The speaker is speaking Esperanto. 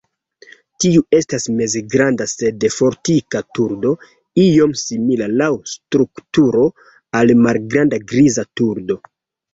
Tiu estas mezgranda sed fortika turdo, iom simila laŭ strukturo al malgranda Griza turdo.